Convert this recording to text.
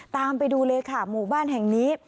ตามไปดูเลยค่ะหมู่บ้านแห่งนี้